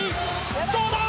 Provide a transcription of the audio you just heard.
どうだ！？